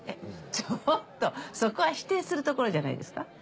ちょっとそこは否定するところじゃないですか？